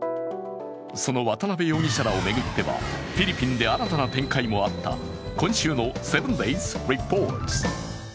その渡辺容疑者らを巡ってはフィリピンで新たな展開もあった、今週の「７ｄａｙｓリポート」。